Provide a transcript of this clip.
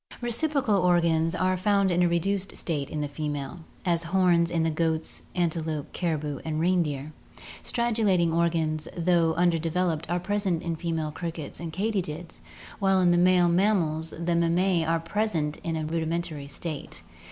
Reciprocal organs are found in a reduced state in the female, as horns in the goats, antelope, caribou, and reindeer. Stridulating organs, though undeveloped, are present in female crickets and katydids, while in male mammals the mammae are present in a rudimentary state.